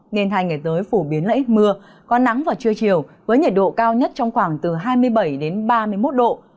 nên hai ngày tới phổ biến lấy mưa có nắng và trưa chiều với nhiệt độ cao nhất trong khoảng từ hai mươi bảy đến ba mươi một độ